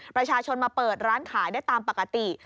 ประชาชนมาเปิดร้านขายได้ตามปกติ